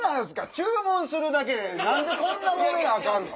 注文するだけで何でこんなもめなアカンの？